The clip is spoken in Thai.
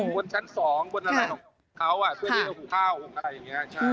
บนชั้นสองบนอะไรของเขาอ่ะเพื่อที่เอาขุมข้าวหรืออะไรอย่างเงี้ยใช่